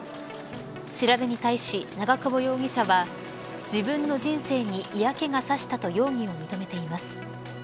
調べに対し長久保容疑者は自分の人生に嫌気がさしたと容疑を認めています。